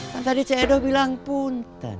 kan tadi c e do bilang punten